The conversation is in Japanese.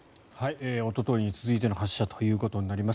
おとといに続いての発射ということになります。